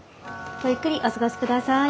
ごゆっくりお過ごしください。